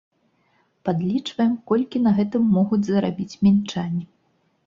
Падлічваем, колькі на гэтым змогуць зарабіць мінчане.